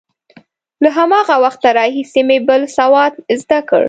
له هماغه وخته راهیسې مې بل سواد زده کړ.